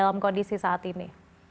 dalam kondisi saat ini